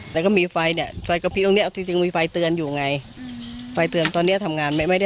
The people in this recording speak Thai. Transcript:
และมีเนี่ยสัญญาณเตือนตรงนี้